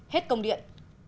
hết công điện